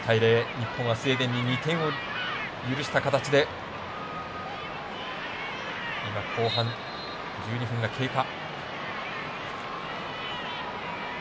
日本はスウェーデンに２点を許した形で今、後半１２分が経過。